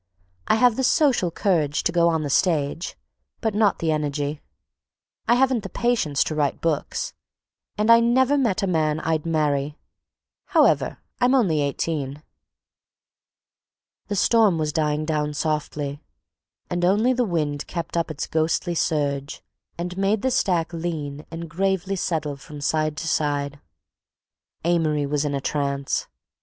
I have the social courage to go on the stage, but not the energy; I haven't the patience to write books; and I never met a man I'd marry. However, I'm only eighteen." The storm was dying down softly and only the wind kept up its ghostly surge and made the stack lean and gravely settle from side to side. Amory was in a trance.